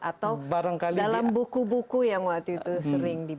atau dalam buku buku yang waktu itu sering dibuat